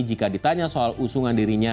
jika ditanya soal usungan dirinya